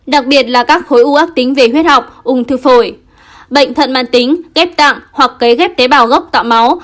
đặc biệt là các khối u ác tính về huyết học ung thư phổi bệnh thận mạng tính ghép tạng hoặc cấy ghép tế bào gốc tạo máu